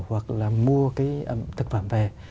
hoặc là mua cái thực phẩm về